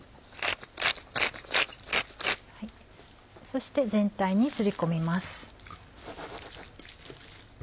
そして全体に擦り込みます。